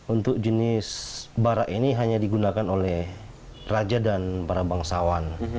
untuk jenis barak ini hanya digunakan oleh raja dan para bangsawan